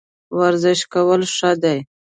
ورزش کول ښه دي